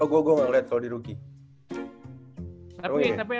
oh gue gak ngeliat kalau di rookie